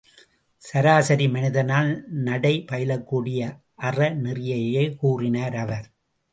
சராசரி மனிதனால் நடை பயிலக்கூடிய அறநெறியையே கூறினார் அவர்.